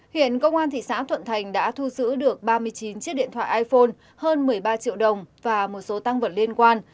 hiện công an thị xã thuận thành đã thu giữ được ba mươi chín chiếc điện thoại iphone hơn một mươi ba triệu đồng và một số tăng vật liên quan